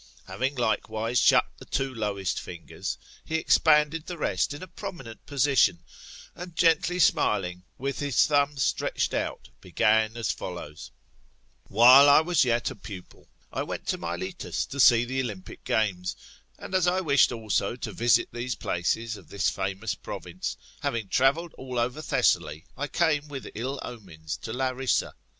Having likewise shut the two lowest fingers, he expanded the rest in a prominent position, and gently smiling, with his thumb stretched out, began as follows : "While I was yet a pupil, I went to Miletus to see the Olympic games, and as I wished also to visit these places of this famous province, having travelled over all Thessaly I came with ill omens to Larissa.